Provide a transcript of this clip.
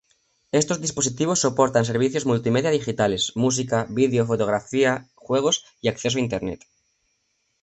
Estos dispositivos soportan servicios multimedia digitales: música, vídeo, fotografía, juegos y acceso a Internet.